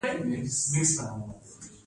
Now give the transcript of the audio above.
د جلال اباد ښار د ننګرهار مرکز دی